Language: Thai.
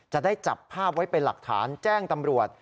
จะได้จับภาพไว้เป็นหลักฐานแจ้งตำรวจ